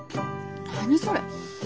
何それ。